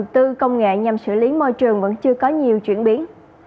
trong xử lý môi trường vẫn chưa có nhiều chuyển biến